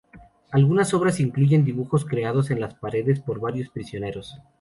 Algunas obras incluyen dibujos creados en las paredes por varios prisioneros.